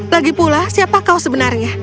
lagipula siapa kau sebenarnya